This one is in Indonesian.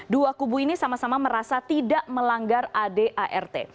dua kubu ini sama sama merasa tidak melanggar adart